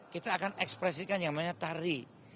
kita akan ekspresikan yang namanya tari